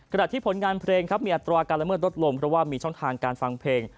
ขณะที่ผลงานเพลงครับมีอัตราการละเมิดลดลงเพราะว่ามีช่องทางการฟังเพลง